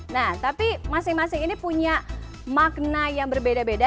nah tapi masing masing ini punya makna yang berbeda beda